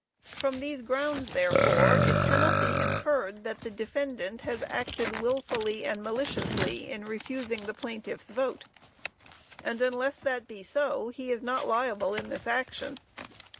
"_From these grounds, therefore, it cannot be inferred that the defendant has acted wilfully and maliciously in refusing the plaintiff's vote; and unless that be so he is not liable in this action.